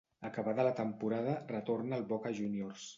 Acabada la temporada, retorna al Boca Juniors.